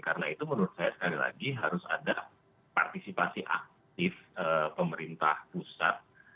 karena itu menurut saya sekali lagi harus ada partisipasi aktif pemerintah pusat